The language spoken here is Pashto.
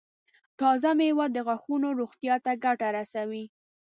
تازه مېوه د غاښونو روغتیا ته ګټه رسوي.